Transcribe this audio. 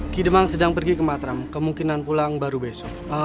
kidemang sedang pergi ke matram kemungkinan pulang baru besok